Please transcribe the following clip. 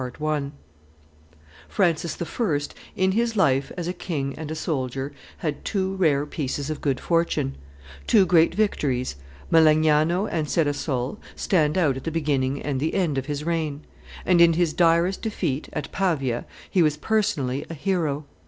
[Illustration: FRANCIS I. 137] Francis I., in his life as a king and a soldier, had two rare pieces of good fortune: two great victories, Melegnano and Ceresole, stand out at the beginning and the end of his reign; and in his direst defeat, at Pavia, he was personally a hero.